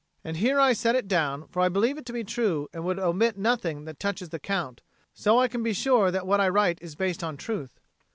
And here I set it down; for I believe it to be true, and I would omit nothing that touches the Count, so I can be sure that what I write is based on truth.